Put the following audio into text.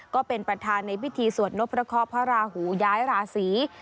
ก็เป็นประธานในพิธีสวดนพพระเคาะพระราหูย้ายราศี